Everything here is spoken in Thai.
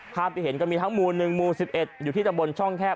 ที่เห็นก็มีทั้งหมู่๑หมู่๑๑อยู่ที่ตะบนช่องแคบ